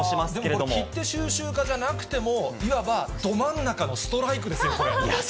でもこれ、切手収集家じゃなくても、いわばど真ん中のストライクですよ、これ。